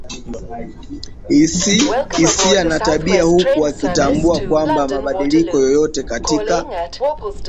hisia na tabia huku wakitambua kwamba mabadiliko yoyote katika